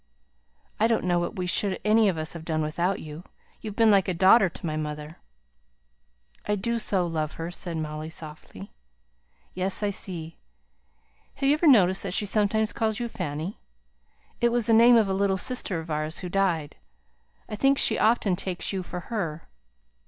"I don't know what we should any of us have done without you. You've been like a daughter to my mother." "I do so love her," said Molly, softly. "Yes; I see. Have you ever noticed that she sometimes calls you 'Fanny?' It was the name of a little sister of ours who died. I think she often takes you for her.